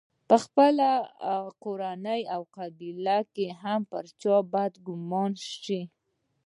په خپله کورنۍ او قبیله کې هم پر چا بدګومان شو.